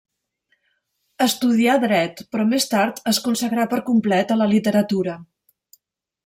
Estudià Dret, però més tard es consagrà per complet a la literatura.